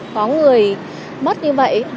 có người mất như vậy